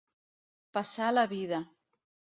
Passar la vida.